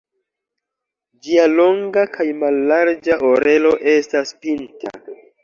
Ĝia longa kaj mallarĝa orelo estas pinta.